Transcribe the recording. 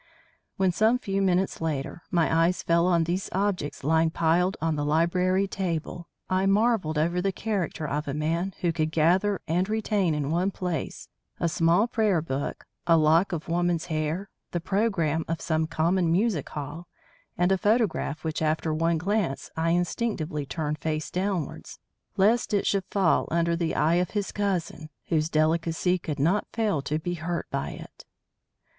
When some few minutes later my eyes fell on these objects lying piled on the library table, I marvelled over the character of a man who could gather and retain in one place a small prayer book, a lock of woman's hair, the programme of some common music hall, and a photograph which after one glance I instinctively turned face downwards, lest it should fall under the eye of his cousin, whose delicacy could not fail to be hurt by it.